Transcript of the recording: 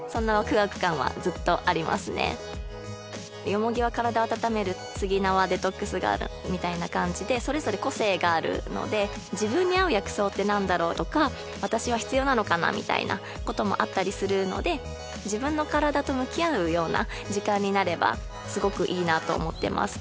ヨモギは体を温めるスギナはデトックスがあるみたいな感じでそれぞれ個性があるので自分に合う薬草って何だろうとか私は必要なのかなみたいなこともあったりするので自分の体と向き合うような時間になればすごくいいなと思ってます